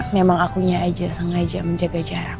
memang akunya aja sengaja menjaga jarak